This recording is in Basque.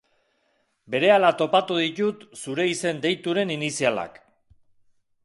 Berehala topatu ditut zure izen-deituren inizialak.